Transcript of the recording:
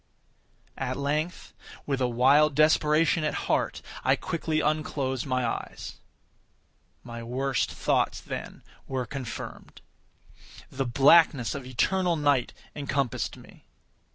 At length, with a wild desperation at heart, I quickly unclosed my eyes. My worst thoughts, then, were confirmed. The blackness of eternal night encompassed me.